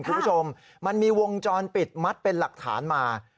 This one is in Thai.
คุณผู้ชมมันมีวงจรปิดมัดเป็นหลักฐานมา